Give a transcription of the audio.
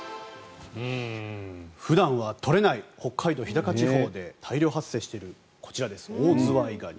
普段は取れない北海道・日高地方で大量発生しているこちら、オオズワイガニ。